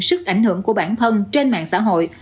sức ảnh hưởng của bản thân trên mạng xã hội